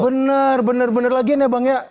benar benar benar lagian ya bang ya